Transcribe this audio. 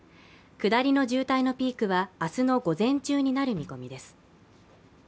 下りの渋滞のピークは明日の午前中になる見込みです。